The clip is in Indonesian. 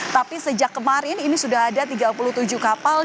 tapi sejak kemarin ini sudah ada tiga puluh tujuh kapal